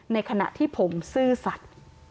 ในขณะที่ผมซื่อสัตว์